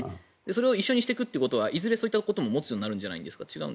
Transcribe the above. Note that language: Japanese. それと一緒になるということはいずれそういったことも持つようになるんじゃないですか。